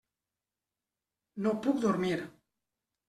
No puc dormir.